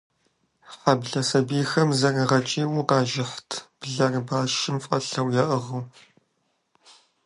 Хьэблэ сэбийхэм зэрыгъэкӏийуэ къажыхьырт, блэр башым фӏэлъу яӏыгъыу.